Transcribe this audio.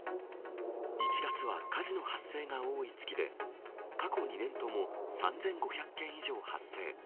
１月は火事の発生が多い月で、過去２年とも３５００件以上発生。